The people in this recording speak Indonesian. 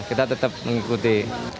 kita tetap mengikuti